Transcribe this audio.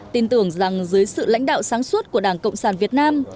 tin tưởng rằng dưới sự lãnh đạo sáng suốt của đảng cộng sản việt nam